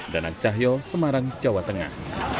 danang cahyo semarang jawa tengah